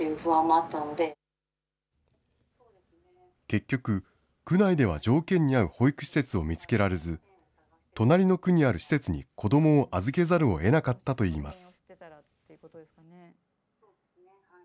結局、区内では条件に合う保育施設を見つけられず、隣の区にある施設に子どもを預けざるをえなかったといいます。